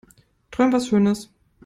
Träum was schönes.